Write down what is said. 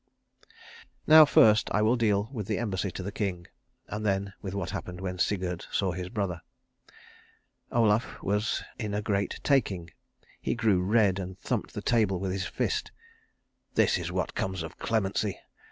Now first I will deal with the embassy to the king, and then with what happened when Sigurd saw his brother. Olaf was in a great taking. He grew red and thumped the table with his fist. "This is what comes of clemency.